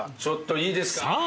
ちょっといいですか？